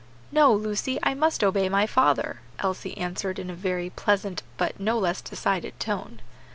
"No, Lucy, I must obey my father," Elsie answered in a very pleasant but no less decided tone.